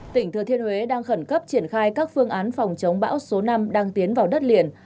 tỉnh thừa thiên huế đang khẩn cấp triển khai các phương án phòng chống bão số năm đang tiến vào đất liền